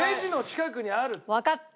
わかった！